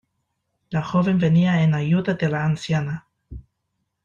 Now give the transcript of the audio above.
La joven venía en ayuda de la anciana.